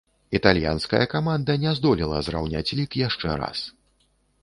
Італьянская каманда не здолела зраўняць лік яшчэ раз.